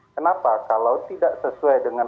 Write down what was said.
kenapa kalau tidak sesuai dengan